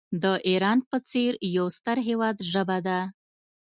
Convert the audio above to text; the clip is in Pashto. د ایران په څېر یو ستر هیواد ژبه ده.